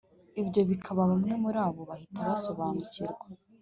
ibyo bikiba bamwe muri bo bahita basobanukirwa